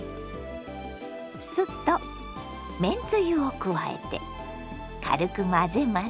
酢とめんつゆを加えて軽く混ぜます。